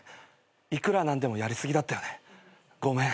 いくら何でもやり過ぎだったよねごめん。